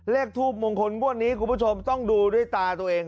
ทูบมงคลงวดนี้คุณผู้ชมต้องดูด้วยตาตัวเอง